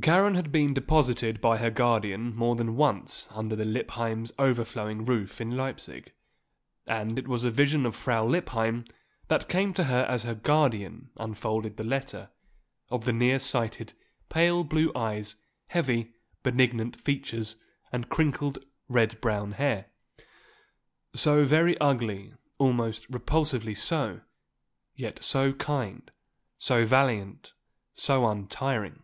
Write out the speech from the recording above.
Karen had been deposited by her guardian more than once under the Lippheim's overflowing roof in Leipsig, and it was a vision of Frau Lippheim that came to her as her guardian unfolded the letter of the near sighted, pale blue eyes, heavy, benignant features, and crinkled, red brown hair. So very ugly, almost repulsively so; yet so kind, so valiant, so untiring.